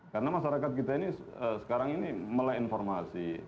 karena masyarakat kita ini sekarang ini mulai informasi